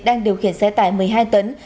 đang điều khiển xe tải một mươi hai tấn